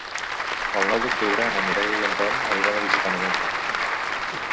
El nou d'octubre na Mireia i en Tom aniran a visitar mon oncle.